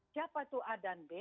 siapa itu a dan b